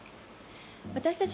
私たち